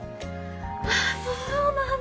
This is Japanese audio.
あっそうなんだ